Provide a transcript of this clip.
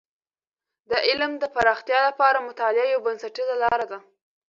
د علم د پراختیا لپاره مطالعه یوه بنسټیزه لاره ده.